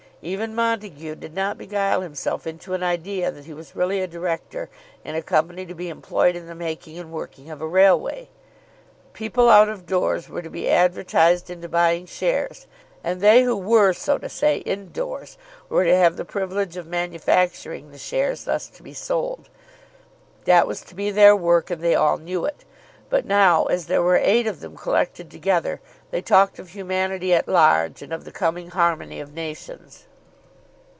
Even Montague did not beguile himself into an idea that he was really a director in a company to be employed in the making and working of a railway. People out of doors were to be advertised into buying shares, and they who were so to say indoors were to have the privilege of manufacturing the shares thus to be sold. That was to be their work, and they all knew it. But now, as there were eight of them collected together, they talked of humanity at large and of the coming harmony of nations.